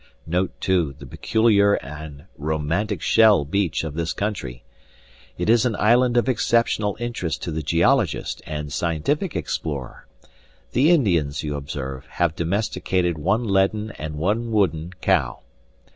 Note, too, the peculiar and romantic shell beach of this country. It is an island of exceptional interest to the geologist and scientific explorer. The Indians, you observe, have domesticated one leaden and one wooden cow.